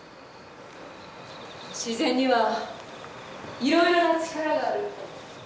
自然にはいろいろな力がある。